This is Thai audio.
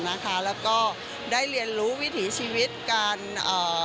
แล้วก็ได้เรียนรู้วิถีชีวิตการเลี้ยงของสัตว์